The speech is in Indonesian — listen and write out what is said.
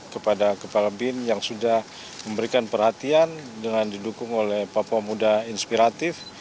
kepada kepala bin yang sudah memberikan perhatian dengan didukung oleh papua muda inspiratif